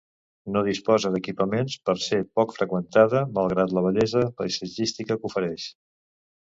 No disposa d'equipaments per ser poc freqüentada, malgrat la bellesa paisatgística que ofereix.